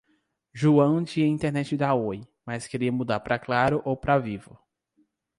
João tinha internet da Oi, mas queria mudar pra Claro ou pra Vivo.